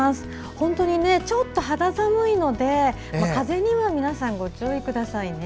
本当に、ちょっと肌寒いのでかぜには皆さん、ご注意ください。